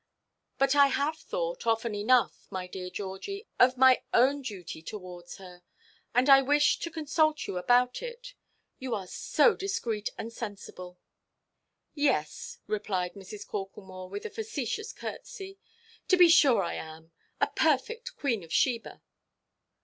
But I have thought, often enough, my dear Georgie, of my own duty towards her; and I wish to consult you about it; you are so discreet and sensible." "Yes," replied Mrs. Corklemore, with a facetious curtsey, "to be sure I am, a perfect Queen of Sheba."